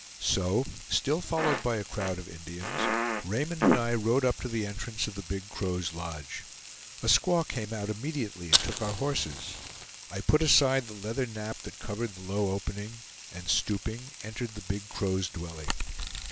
So, still followed by a crowd of Indians, Raymond and I rode up to the entrance of the Big Crow's lodge. A squaw came out immediately and took our horses. I put aside the leather nap that covered the low opening, and stooping, entered the Big Crow's dwelling.